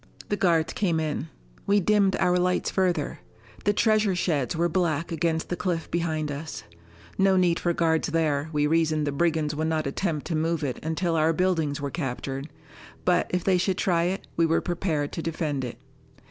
The guards came in. We dimmed our lights further. The treasure sheds were black against the cliff behind us. No need for guards there we reasoned the brigands would not attempt to move it until our buildings were captured. But, if they should try it, we were prepared to defend it.